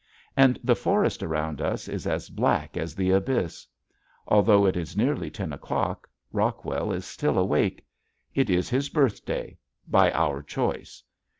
And the forest around is as black as the abyss. Although it is nearly ten o'clock Rockwell is still awake. It is his birthday by our choice.